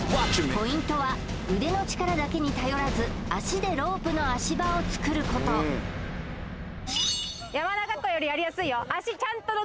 ポイントは腕の力だけに頼らず足でロープの足場を作ること山中湖よりやりやすいよ